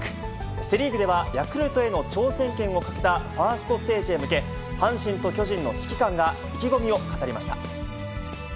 セ・リーグでは、ヤクルトへの挑戦権をかけたファーストステージへ向け、阪神と巨人の指揮官が意気込みを語りました。